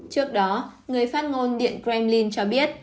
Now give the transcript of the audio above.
trước đó người phát ngôn điện kremlin cho biết